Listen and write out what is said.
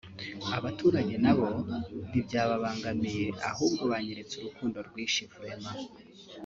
abaturage nabo ntibyababangamiye ahubwo banyeretse urukundo rwinshi vraiment